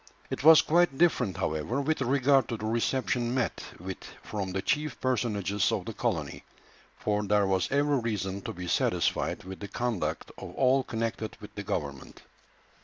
It was quite different, however, with regard to the reception met with from the chief personages of the colony, for there was every reason to be satisfied with the conduct of all connected with the government.